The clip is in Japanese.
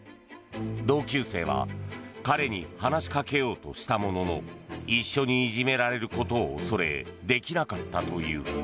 同級生は彼に話しかけようとしたものの一緒にいじめられることを恐れできなかったという。